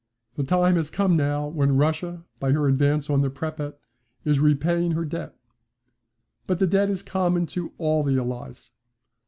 The time has come now when Russia by her advance on the Pripet is repaying her debt. But the debt is common to all the Allies.